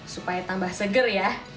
supaya tambah seger ya